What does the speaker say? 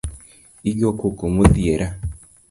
Igokoko modhiera